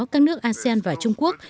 các nước asean và trung quốc